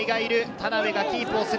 田邉がキープをする。